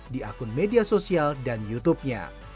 di akun media sosial dan youtubenya